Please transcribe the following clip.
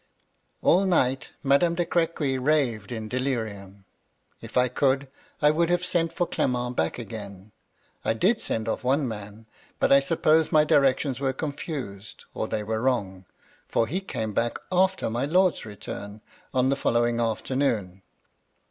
"All night Madame de Crequy raved in delirium. If I could, I would have sent for Clement back again. I did send off one man, but I suppose my directions were confused, or they were wrong, for he came back after my lord's return, on the following afternoon.